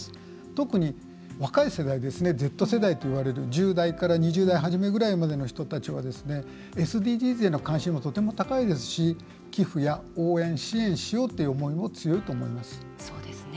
特に、若い世代Ｚ世代といわれる１０代から２０代始めの人たちはＳＤＧｓへの関心もとても高いですし寄付や応援、支援しようという思いも強いと思います。